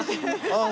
ああ